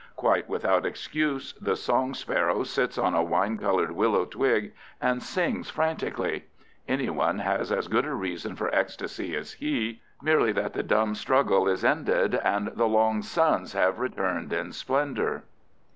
Quite without excuse, the song sparrow sits on a wine colored willow twig and sings frantically. Anyone has as good a reason for ecstasy as he—merely that the dumb struggle is ended and the long suns have returned in splendor.